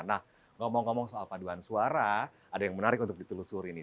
nah ngomong ngomong soal paduan suara ada yang menarik untuk ditelusuri nih